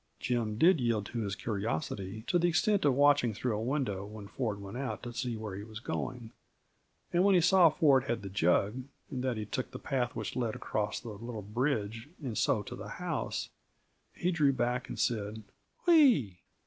Jim did yield to his curiosity to the extent of watching through a window, when Ford went out, to see where he was going; and when he saw Ford had the jug, and that he took the path which led across the little bridge and so to the house, he drew back and said "Whee e e!"